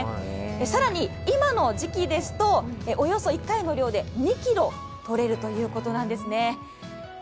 更に、今の時期ですとおよそ１回の漁で２ｋｇはとれるということです。